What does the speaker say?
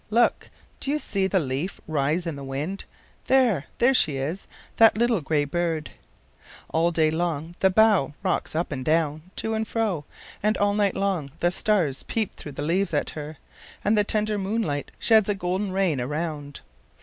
Look! Do you see the leaf rise in the wind? There! There she is, that little gray bird. All day long the bough rocks up and down, to and fro, and all night long the stars peep through the leaves at her, and the tender moonlight sheds a golden rain around.